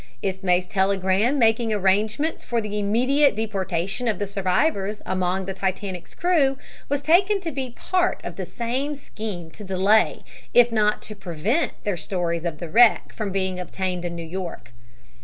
Ismay's telegram making arrangements for the immediate deportation of the survivors among the Titanic's crew was taken to be part of the same scheme to delay if not to prevent their stories of the wreck from being obtained in New York.